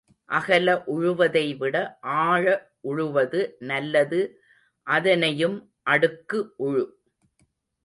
அகல உழுவதை விட ஆழ உழுவது நல்லது அதனையும் அடுக்கு உழு.